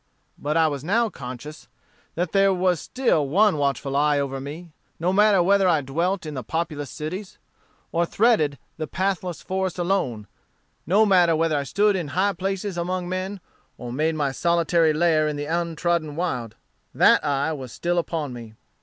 But I was now conscious that there was still one watchful Eye over me; no matter whether I dwelt in the populous cities, or threaded the pathless forest alone; no matter whether I stood in the high places among men, or made my solitary lair in the untrodden wild, that Eye was still upon me.